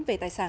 về tài sản